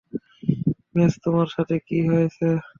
Mace তোমার সাথে কি হয়েছে?